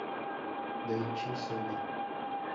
Daichi Soga